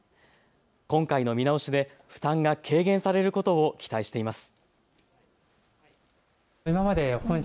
今回の見直しで負担が軽減されることを期待しています。